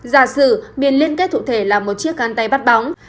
giả sử miền liên kết thụ thể là một chiếc gắn tay bắt bóng